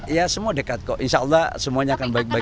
ya semua dekat kok insya allah semuanya akan baik baik